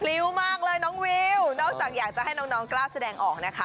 ริ้วมากเลยน้องวิวนอกจากอยากจะให้น้องกล้าแสดงออกนะคะ